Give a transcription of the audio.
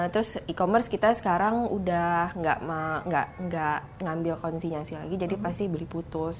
terus e commerce kita sekarang udah gak ngambil konsinyasi lagi jadi pasti beli putus